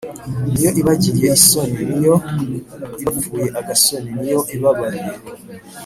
n’iyo ibagiriye isoni: n’iyo ibapfuye agasoni, n’iyo ibabariye